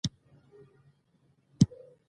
بل هر رنگ چې ورکوې ، خو د ورک رنگ مه ورکوه.